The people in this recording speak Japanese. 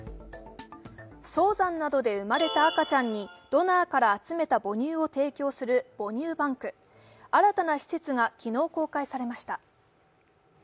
早産などで生まれた赤ちゃんにドナーから集めた母乳を提供する母乳バンク新たな施設が昨日公開されました。